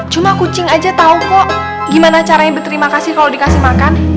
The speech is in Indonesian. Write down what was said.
cuma kucing aja tau kok gimana caranya berterima kasih kalau dikasih makan